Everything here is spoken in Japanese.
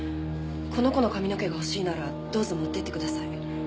この子の髪の毛が欲しいならどうぞ持ってってください。